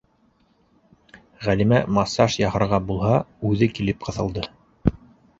Ғәлимә массаж яһарға булһа, үҙе килеп ҡыҫылды: